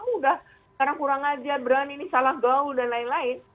udah kurang kurang ajar berani nih salah gaul dan lain lain